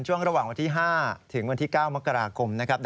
เยอะมาก